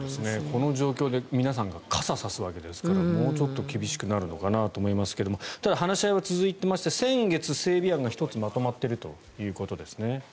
この状況で皆さんが傘を差すわけですからもうちょっと厳しくなるのかなと思いますがただ、話し合いは続いていまして先月、整備案が１つまとまっているということですね。